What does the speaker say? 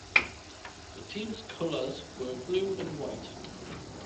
The team's colours were blue and white.